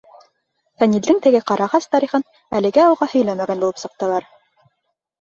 Фәнилдең теге ҡарағас тарихын әлегә уға һөйләмәгән булып сыҡтылар.